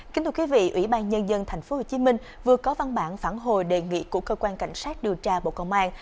kính thưa quý vị ủy ban nhân dân tp hcm vừa có văn bản phản hồi đề nghị của cơ quan cảnh sát điều tra bộ công an